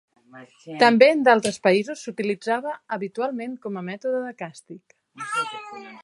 També en d'altres països s'utilitzava habitualment com a mètode de càstig.